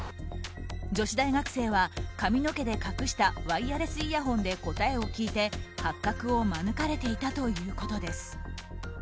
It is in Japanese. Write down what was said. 女子大学生は、髪の毛で隠したワイヤレスイヤホンで答えを聞いて発覚を免れていたということです。